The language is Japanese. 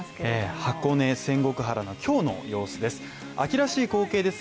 箱根・仙石原の今日の様子です。